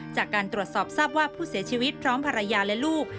จากการตรวจสอบทราบว่าผู้เสียชีวิตพร้อมภรรยาและลูก